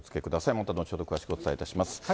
また後ほどお伝えいたします。